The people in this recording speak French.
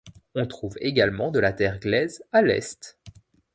On trouve également de la terre glaise à l'est.